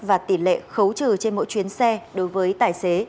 và tỷ lệ khấu trừ trên mỗi chuyến xe đối với tài xế